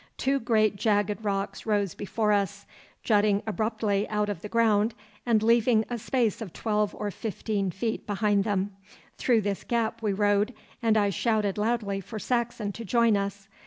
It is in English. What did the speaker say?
Two great jagged rocks rose before us, jutting abruptly out of the ground, and leaving a space of twelve or fifteen feet between them. Through this gap we rode, and I shouted loudly for Saxon to join us.